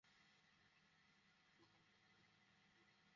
দেখাশোনার জন্য আবার সাথে রয়েছেন বিভিন্ন কর্মচারীও!